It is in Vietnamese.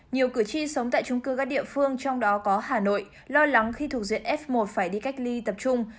nhiều cử tri sống tại trung cư các địa phương trong đó có hà nội lo lắng khi thuộc diện f một phải đi cách ly tập trung